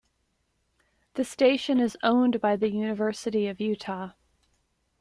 The station is owned by the University of Utah.